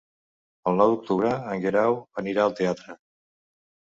El nou d'octubre en Guerau irà al teatre.